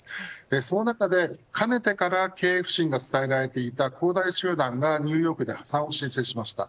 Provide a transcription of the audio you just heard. その中で、かねてから経営不振が伝えられていた恒大集団が、ニューヨークで破産を申請しました。